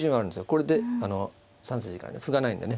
これで３筋からね歩がないんでね